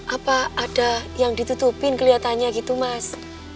apa ada yang ditutupin kelihatannya gitu mas